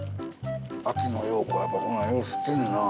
秋野暢子はやっぱりこんなんよう知ってんねんな。